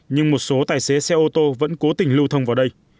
nhưng một số tài xế xe ô tô vẫn cố tình lưu thông vào đây